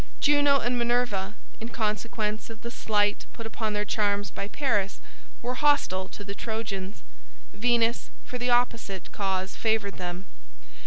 Juno and Minerva, in consequence of the slight put upon their charms by Paris, were hostile to the Trojans; Venus for the opposite cause favored them.